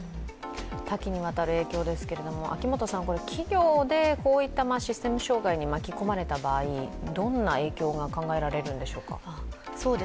多岐にわたる影響ですけれども企業でこういったシステム障害に巻き込まれた場合どんな影響が考えられるんでしょうか？